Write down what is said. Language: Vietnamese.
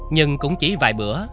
nhưng cũng chỉ vài bữa